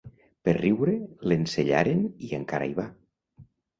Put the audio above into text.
Per riure l'ensellaren i encara hi va.